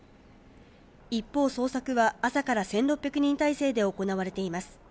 一方、捜索は朝から１６００人態勢で行われています。